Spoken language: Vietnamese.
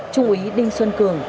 trung úy đinh xuân cường